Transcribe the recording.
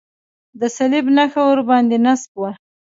د صلیب نښه ورباندې نصب وه.